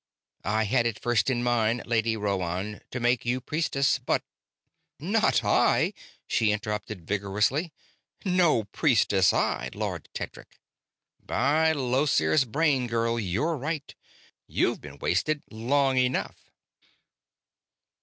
"I had it first in mind, Lady Rhoann, to make you priestess, but...." "Not I!" she interrupted, vigorously. "No priestess I, Lord Tedric!" "By Llosir's brain, girl, you're right you've been wasted long enough!"